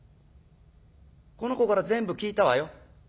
この子から全部聞いたわよ。